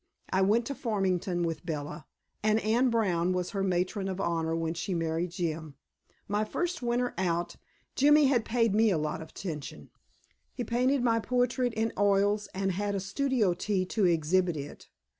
I went to Farmington with Bella, and Anne Brown was her matron of honor when she married Jim. My first winter out, Jimmy had paid me a lot of attention. He painted my portrait in oils and had a studio tea to exhibit it.